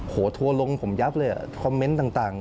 โหทัวลงผมยับเลยคอมเมนต์ต่าง